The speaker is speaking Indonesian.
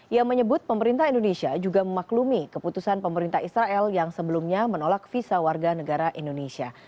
ia menyebut pemerintah indonesia juga memaklumi keputusan pemerintah israel yang sebelumnya menolak visa warga negara indonesia